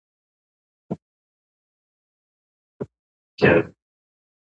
تخنیکي کارونه ښه عاید لري.